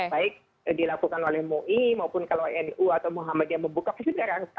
baik dilakukan oleh mui maupun kalau inu atau muhammadiyah membuka pasti mereka akan mendaftar